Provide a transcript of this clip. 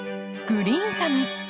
グリーンサム。